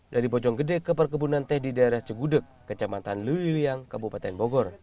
dari bojonggede ke perkebunan teh di daerah cegudeg kecamatan luli liang kabupaten bogor